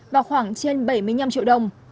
vào khoảng trên bảy mươi năm triệu đồng